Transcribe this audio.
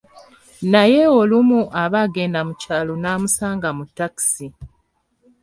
Naye olumu aba agenda mu kyalo n'amusanga mu takisi.